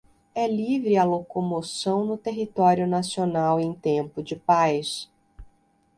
é livre a locomoção no território nacional em tempo de paz